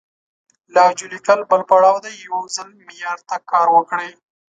لهجوي ليکل بل پړاو دی، يو ځل معيار ته کار وکړئ!